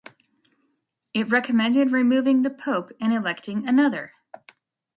It recommended removing the pope and electing another.